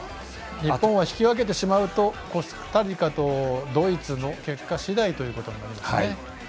日本は引き分けてしまうとコスタリカとドイツの結果次第ということになりますね。